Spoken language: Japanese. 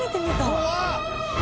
怖っ！